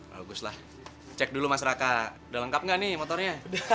baguslah cek dulu mas raka udah lengkap gak nih motornya